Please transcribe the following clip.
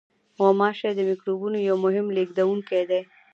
غوماشې د میکروبونو یو مهم لېږدوونکی دي.